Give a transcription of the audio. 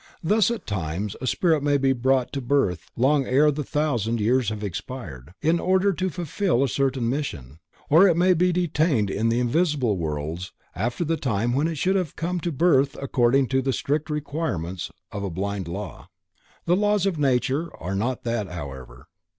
Thus, at times a spirit may be brought to birth long ere the thousand years have expired, in order to fulfill a certain mission, or it may be detained in the invisible worlds after the time when it should have come to birth according to the strict requirements of a blind law. The laws of nature are not that however.